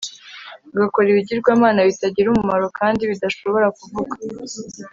agakora ibigirwamana bitagira umumaro kandi bidashobora kuvuga